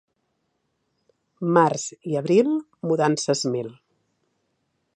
Març i abril, mudances mil.